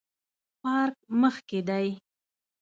پارک مخ کې دی